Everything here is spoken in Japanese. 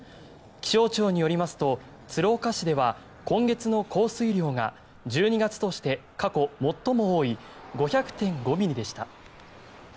気象庁によりますと鶴岡市では今月の降水量が１２月として過去最も多い５００．５ミリでした。